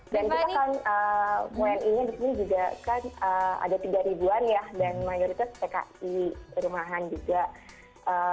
dan kita kan wni nya di sini juga kan ada tiga ribuan ya dan mayoritas tki rumahan juga